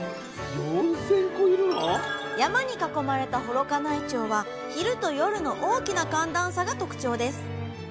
山に囲まれた幌加内町は昼と夜の大きな寒暖差が特徴です。